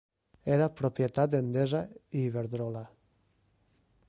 Era propietat d'Endesa i Iberdrola.